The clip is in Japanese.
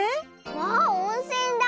わあおんせんだ！